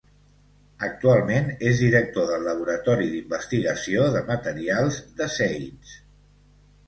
Actualment és director del Laboratori d'Investigació de Materials de Seitz.